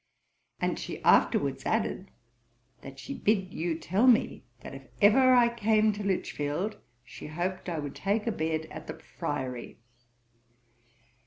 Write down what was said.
And she afterwards added, that she bid you tell me, that if ever I came to Lichfield, she hoped I would take a bed at the Friery.